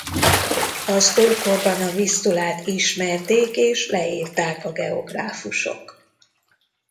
Az ókorban a Visztulát ismerték és leírták a geográfusok.